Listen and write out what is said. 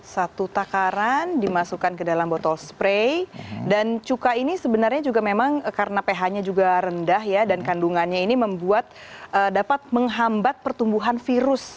satu takaran dimasukkan ke dalam botol spray dan cuka ini sebenarnya juga memang karena ph nya juga rendah ya dan kandungannya ini membuat dapat menghambat pertumbuhan virus